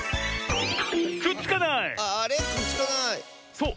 そう。